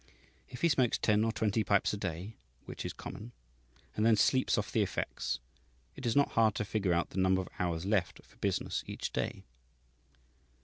If he smokes ten or twenty pipes a day, which is common, and then sleeps off the effects, it is not hard to figure out the number of hours left for business each day.